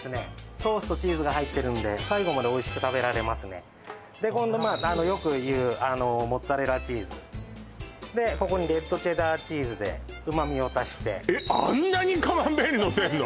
ソースとチーズが入ってるんで最後までおいしく食べられますねで今度まあよく言うモッツァレラチーズでここにレッドチェダーチーズで旨味を足してえっあんなにカンベールのせんの！？